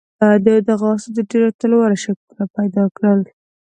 د دغو استازو ډېر تلوار شکونه پیدا کړل.